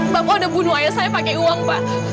bapak udah bunuh ayah saya pakai uang pak